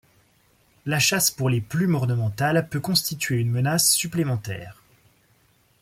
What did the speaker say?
La chasse pour les plumes ornementales peut constituer une menace supplémentaire.